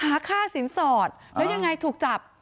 ค่าสินสอดแล้วยังไงถูกจับ